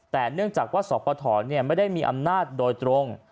แต่เนื่องจากว่าสปฐไม่ได้มีอำนาจโดยตรง